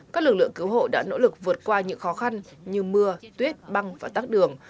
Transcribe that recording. các lực lượng cứu hộ đã nỗ lực vượt qua những khó khăn như mưa tuyết băng và tắc đường